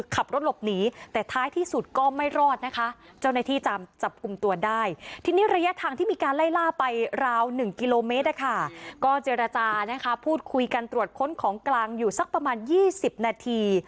ก็เจรจาพูดคุยกันตรวจค้นของกลางอยู่สักประมาณ๒๐นาที